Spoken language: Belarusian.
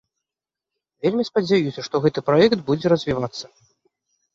Вельмі спадзяюся, што гэты праект будзе развівацца.